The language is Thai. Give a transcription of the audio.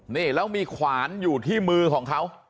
นี่แล้วมีขวานอยู่ที่มือของเขา